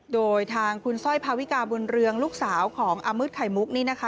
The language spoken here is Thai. โดยทางคุณสร้อยพาวิกาบุญเรืองลูกสาวของอามืดไข่มุกนี่นะคะ